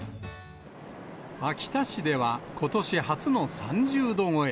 秋田市では、ことし初の３０度超え。